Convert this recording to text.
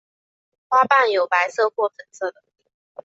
花瓣有白色或粉色的。